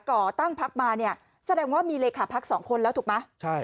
ก่อตั้งภักดิ์มาเนี่ยแสดงว่ามีเลขาภักดิ์สองคนแล้วถูกมะ